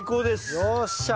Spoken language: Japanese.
よっしゃ。